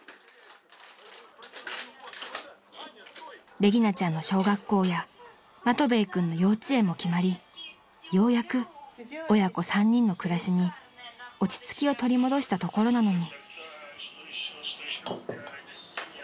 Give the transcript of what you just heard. ［レギナちゃんの小学校やマトヴェイ君の幼稚園も決まりようやく親子３人の暮らしに落ち着きを取り戻したところなのに］